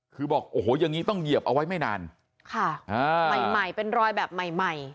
คือบอกโอ้โหอย่างนี้ต้องเหยียบเอาไว้ไม่นานค่ะอ่าใหม่ใหม่เป็นรอยแบบใหม่ใหม่